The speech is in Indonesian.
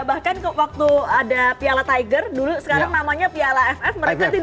bahkan kok waktu ada piala tiger dulu sekarang namanya piala ff